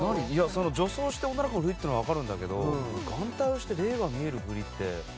女装して女の子のふりっていうのはわかるんだけど眼帯をして霊が見えるふりって。